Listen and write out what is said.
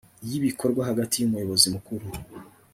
y ibikorwa hagati y umuyobozi mukuru